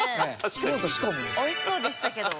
おいしそうでしたけど。